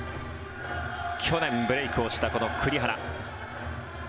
去年ブレークをした栗原。